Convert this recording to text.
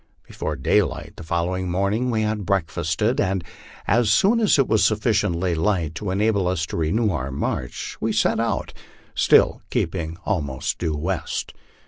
Before daylight the following morning we had breakfasted, and as soon as it was sufficiently light to enable us to renew our march we set out, still keeping almost due west.